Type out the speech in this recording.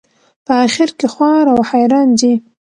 په آخر کې خوار او حیران ځي.